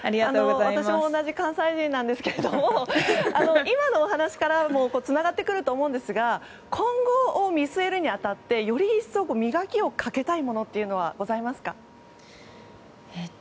私も同じ関西人なんですけれども今のお話からもつながってくると思うんですが今後を見据えるに当たってより一層磨きをかけたいものってございますか？